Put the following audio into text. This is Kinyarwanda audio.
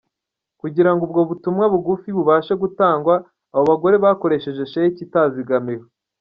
Kugira ngo ubwo butumwa bugufi bubashe gutangwa, abo bagore bakoresheje Sheki itazigamiwe.